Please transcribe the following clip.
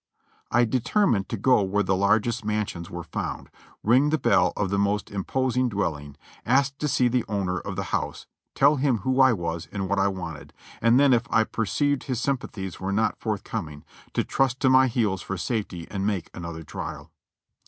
I de termined to go where the largest mansions were found, ring the bell of the most imposing dwelling, ask to see the owner of the house, tell him who I was and what I wanted ; and then if I per ceived his sympathies were not forthcoming, to trust to my heels for safety and make another trial.